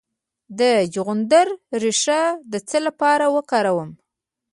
د چغندر ریښه د څه لپاره وکاروم؟